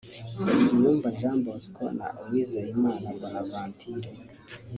Nsengiyumva Jean Bosco na Uwizeyimana Bonaventure